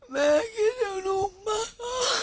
แม่คิดถึงลูกมาก